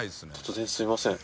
突然すいません。